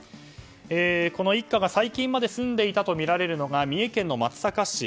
この一家が最近まで住んでいたとみられているのが三重県松阪市。